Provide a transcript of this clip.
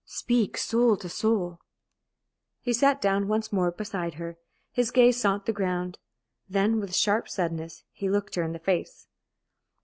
Speak soul to soul!" He sat down once more beside her. His gaze sought the ground. Then, with sharp suddenness, he looked her in the face.